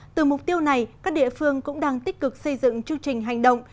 từ mục tiêu này các địa phương cũng đang tích cực xây dựng chương trình hành động